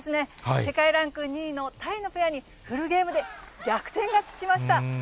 世界ランク２位のタイのペアにフルゲームで逆転勝ちしました。